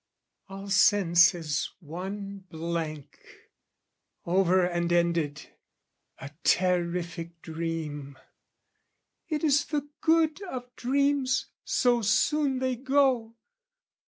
All since is one blank, Over and ended; a terrific dream. It is the good of dreams so soon they go!